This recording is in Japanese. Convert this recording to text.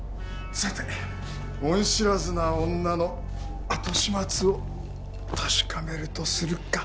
さて恩知らずな女の後始末を確かめるとするか。